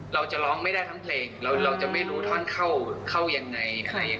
เราจะร้องไม่ได้ทั้งเพลงเราจะไม่รู้ท่อนเข้ายังไง